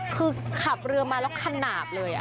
คือขับเรือมาแล้วขนาดเลย